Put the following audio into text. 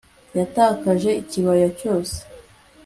Yatakaje ikibaya cyose